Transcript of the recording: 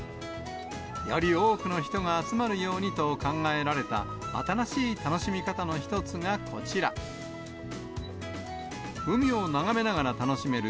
より多くの人が集まるようにと考えられた、新しい楽しみ方の一つがこちら、海を眺めながら楽しめる